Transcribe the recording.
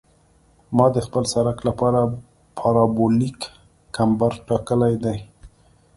ما د خپل سرک لپاره پارابولیک کمبر ټاکلی دی